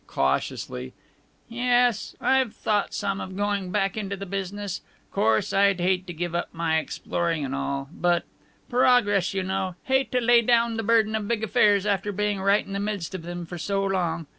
Cautiously: "Yes, I've thought some of going back into business. 'Course I'd hate to give up my exploring and all, but Progress, you know; hate to lay down the burden of big affairs after being right in the midst of them for so long."